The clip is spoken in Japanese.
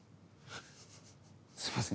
すいません